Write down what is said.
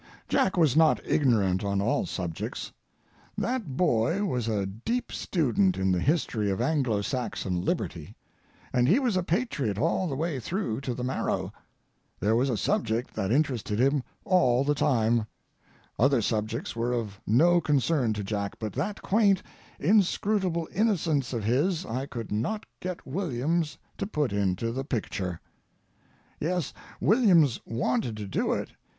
Jack was not ignorant on all subjects. That boy was a deep student in the history of Anglo Saxon liberty, and he was a patriot all the way through to the marrow. There was a subject that interested him all the time. Other subjects were of no concern to Jack, but that quaint, inscrutable innocence of his I could not get Williams to put into the picture. Yes, Williams wanted to do it.